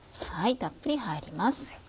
たっぷり入ります。